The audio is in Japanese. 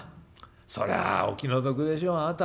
『そりゃあお気の毒でしょうあなた。